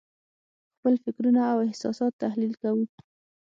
خپل فکرونه او احساسات تحلیل کوو.